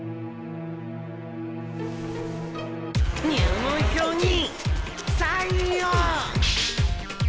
入門票にサインを！